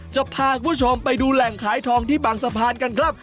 จะพาคุณผู้ชมไปดูแหล่งขายทองที่บางสะพานกันครับ